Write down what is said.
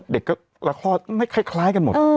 เด็กก็แล้วคลอดไม่คล้ายกันหมด